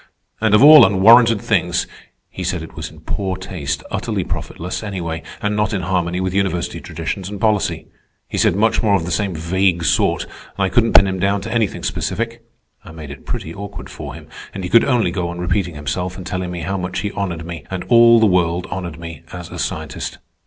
And of all unwarranted things! He said it was in poor taste, utterly profitless, anyway, and not in harmony with university traditions and policy. He said much more of the same vague sort, and I couldn't pin him down to anything specific. I made it pretty awkward for him, and he could only go on repeating himself and telling me how much he honored me, and all the world honored me, as a scientist.